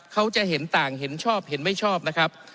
เขาจะเห็นต่างเห็นชอบเห็นไม่ชอบนะครับ